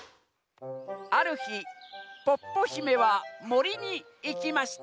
「あるひポッポひめはもりにいきました」。